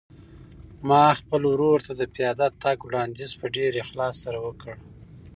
ما خپل ورور ته د پیاده تګ وړاندیز په ډېر اخلاص سره وکړ.